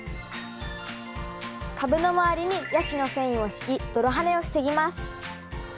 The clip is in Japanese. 株の周りにヤシの繊維を敷き泥はねを防ぎます。